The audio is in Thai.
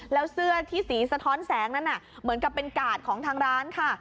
แล้วเสื้อที่สีสะท้อนแสงนั้นเหมือนกับเป็นกาดของทางร้านค่ะ